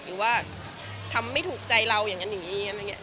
หรือว่าทำไม่ถูกใจเราอย่างนั้นอย่างนี้อะไรอย่างนี้